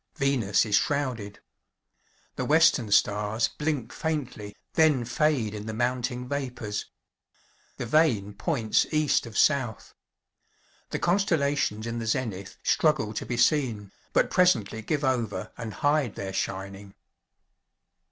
Venus is shrouded. The western stars blink faintly, then fade in the mounting vapors. The vane points east of south. The constellations in the zenith struggle to be seen, but presently give over, and hide their shining.